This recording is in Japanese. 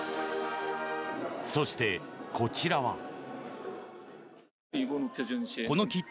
そして、こちらは。